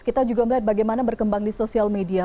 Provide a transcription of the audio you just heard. kita juga melihat bagaimana berkembang di sosial media